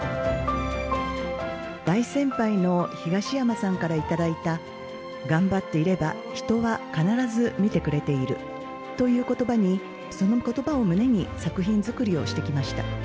大先輩の東山さんから頂いた、頑張っていれば人は必ず見てくれているということばに、そのことばを胸に、作品作りをしてきました。